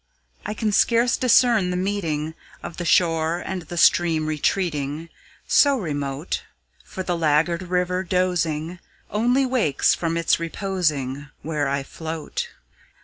I can scarce discern the meeting Of the shore and stream retreating, So remote; For the laggard river, dozing, Only wakes from its reposing Where I float.